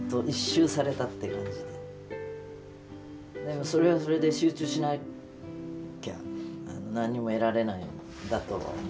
でもそれはそれで集中しなきゃ何も得られないんだとは思った。